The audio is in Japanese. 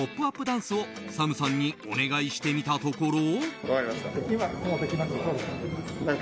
ダンスをＳＡＭさんにお願いしてみたところ。